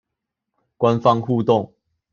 官方互動